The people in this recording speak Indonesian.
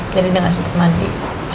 jadi dia gak sempat mandi